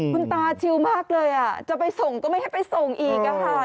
คุณตาชิวมากเลยจะไปส่งก็ไม่ให้ไปส่งอีกค่ะ